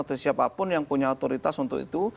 atau siapapun yang punya otoritas untuk itu